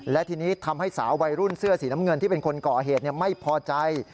และทีนี้ทำให้สาววัยรุ่นเสื้อสีน้ำเงินที่เป็นคนก่อเหตุไม่พอใจ